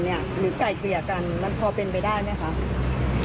หรือไกลเกลี่ยกันมันพอเป็นไปได้ไหมคะ